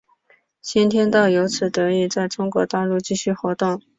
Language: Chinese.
先天道由此得以在中国大陆继续活动。